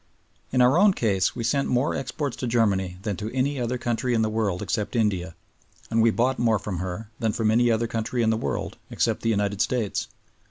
In our own case we sent more exports to Germany than to any other country in the world except India, and we bought more from her than from any other country in the world except the United States.